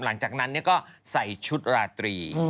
หลังจากนั้นก็ใส่ชุดราตรี